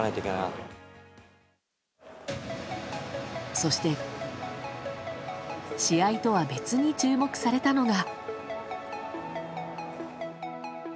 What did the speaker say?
そして試合とは別に注目されたのが。